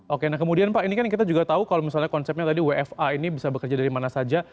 oke nah kemudian pak ini kan kita juga tahu kalau misalnya konsepnya tadi wfa ini bisa bekerja dari mana saja